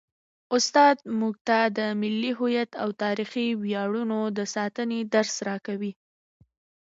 استاد موږ ته د ملي هویت او تاریخي ویاړونو د ساتنې درس راکوي.